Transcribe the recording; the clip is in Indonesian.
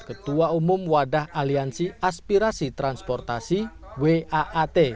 ketua umum wadah halian siasperasi transportasi waat